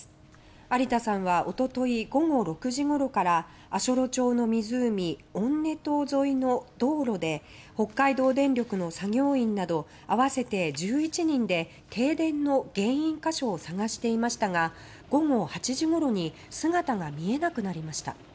有田さんは一昨日午後６時ごろから足寄町の湖オンネトー沿いの道路で北海道電力の作業員など合わせて１１人で停電の原因箇所を探していましたが午後８時ごろに姿が見えなくなりました。